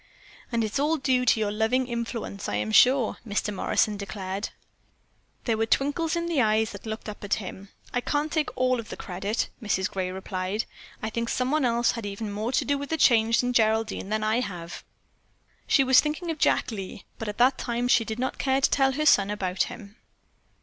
"And it's all due to your loving influence, I am sure," Mr. Morrison declared. There were twinkles in the eyes that looked up at him. "I can't take all of the credit," Mrs. Gray replied. "I think someone else had even more to do with the change in Geraldine than I have had." She was thinking of Jack Lee, but at that time she did not care to tell her son about him.